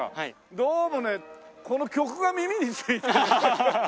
どうもねこの曲が耳について。